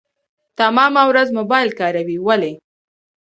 تمامه ورځ موبايل کاروي ولي .